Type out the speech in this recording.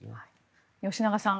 吉永さん